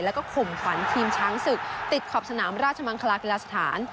แล้วก็ข่มขวัญทีมช้างศึกติดขอบสนามราชมังคลากีฬาสถาน